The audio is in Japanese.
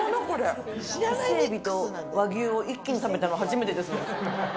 伊勢エビと和牛を一気に食べたの初めてです。